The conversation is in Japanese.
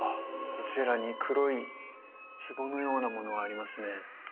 こちらに黒い壺のようなものがありますね